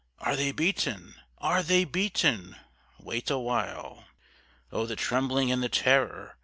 Are they beaten? ARE they beaten?" "Wait a while." Oh the trembling and the terror!